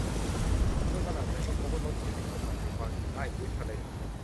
เธอประหลาดใจเมื่อพบรถเข็นซูเปอร์มาร์เก็ตวางอยู่ใต้พื้นทะเล